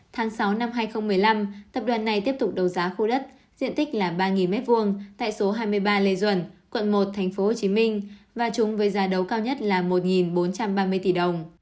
tháng sáu năm hai nghìn một mươi năm tập đoàn này tiếp tục đấu giá khu đất diện tích là ba m hai tại số hai mươi ba lê duẩn quận một tp hcm và chúng với giá đấu cao nhất là một bốn trăm ba mươi tỷ đồng